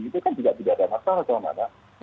itu kan juga tidak ada masalah